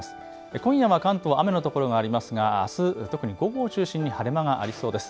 今夜は関東、雨の所がありますがあす特に午後を中心に晴れ間がありそうです。